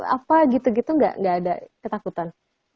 apa gitu gitu nggak ada ketakutan